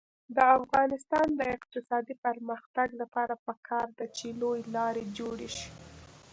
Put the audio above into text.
د افغانستان د اقتصادي پرمختګ لپاره پکار ده چې لویې لارې جوړې شي.